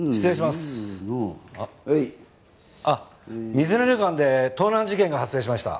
水根旅館で盗難事件が発生しました。